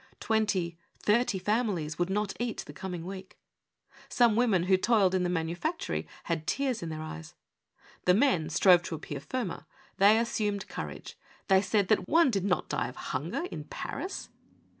Twenty, thirty families would not eat the com ing week. Some women who toiled in the manufactory had tears in their eyes. The men strove to appear firmer. They assumed courage ; they said that one did not die of hunger in Paris.